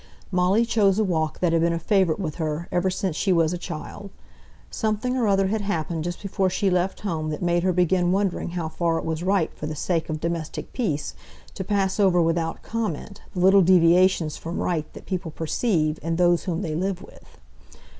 Molly chose a walk that had been a favourite with her ever since she was a child. Something or other had happened just before she left home that made her begin wondering how far it was right for the sake of domestic peace to pass over without comment the little deviations from right that people perceive in those whom they live with.